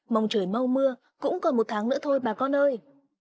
mong trời mau mưa cũng còn một tháng nữa thôi bà con ơi